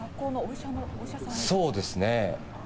そうですね。